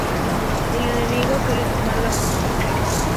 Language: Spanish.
El enemigo suele tomarla como trofeo.